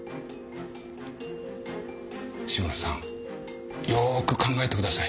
志村さんよく考えてください。